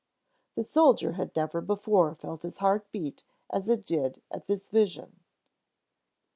The soldier had never before felt his heart beat as it did at this vision.